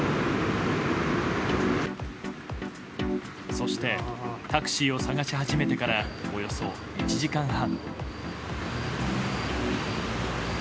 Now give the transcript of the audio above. そしてタクシーを探し始めてからおよそ１時間半。